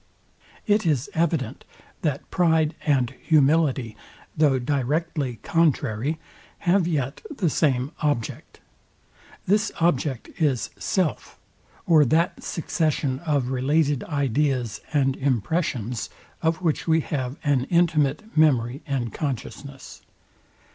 It is evident, that pride and humility, though directly contrary, have yet the same OBJECT. This object is self, or that succession of related ideas and impressions, of which we have an intimate memory and consciousness.